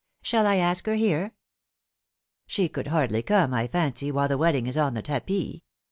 "Shall I ask her here?" " She could hardly come, I fancy, while the wedding is on the tapis.